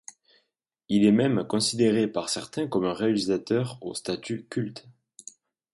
Il est même considéré par certains comme un réalisateur au statut culte.